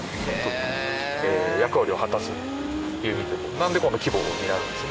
なのでこの規模になるんですね。